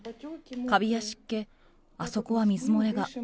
かびや湿気、あそこは水漏れが。